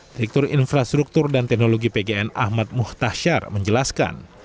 direktur infrastruktur dan teknologi pgn ahmad muhtasyar menjelaskan